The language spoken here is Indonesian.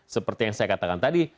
seperti yang saya katakan tadi